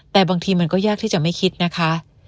แต่บางทีมันก็ยากที่จะไม่คิดนะคะ